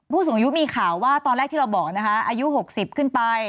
ผู้สูงอายุมีข่าวว่าตอนแรกที่เราบอกนะคะอายุ๖๐ขึ้นไป